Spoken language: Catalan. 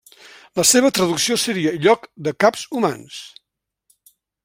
La seva traducció seria 'lloc de caps humans'.